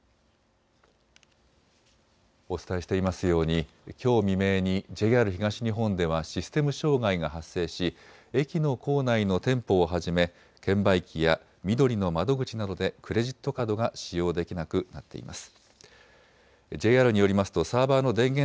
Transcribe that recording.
お伝えしていますようにきょう未明にＪＲ東日本ではシステム障害が発生し駅の構内の店舗をはじめ券売機やみどりの窓口などでクレジットカードが使用できなくなっています。